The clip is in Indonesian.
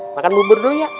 makan bubur dulu ya